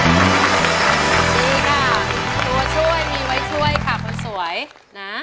ดีค่ะตัวช่วยมีไว้ช่วยค่ะคนสวยนะ